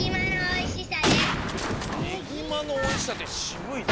ねぎまのおいしさってしぶいね。